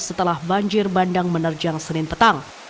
setelah banjir bandang menerjang senin petang